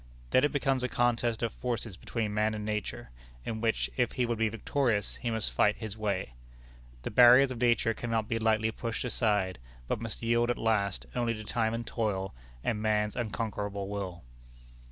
Then it becomes a contest of forces between man and nature, in which, if he would be victorious, he must fight his way. The barriers of nature cannot be lightly pushed aside, but must yield at last only to time and toil, and "man's unconquerable will."